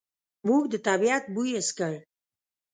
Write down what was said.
موږ د طبعیت بوی حس کړ.